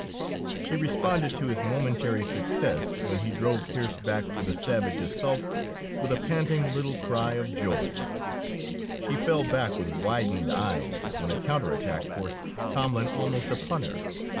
She responded to his momentary success when he drove Pearse back with a savage assault, with a panting little cry of joy; she fell back with widened eyes when a counter attack forced Tomlin almost upon her.